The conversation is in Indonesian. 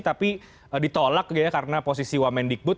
tapi ditolak ya karena posisi wamendikbud